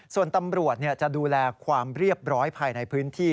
ส่วนตำรวจจะดูแลความเรียบร้อยภายในพื้นที่